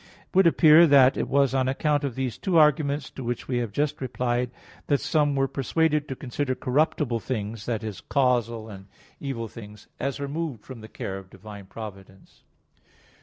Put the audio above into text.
It would appear that it was on account of these two arguments to which we have just replied, that some were persuaded to consider corruptible things e.g. casual and evil things as removed from the care of divine providence.